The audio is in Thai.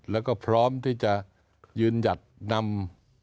แล้วก็พร้อมที่จะยืนหยัดนำ